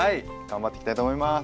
頑張っていきたいと思います。